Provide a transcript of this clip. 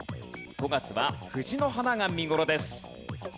５月は藤の花が見頃です。